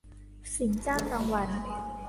สินจ้างรางวัล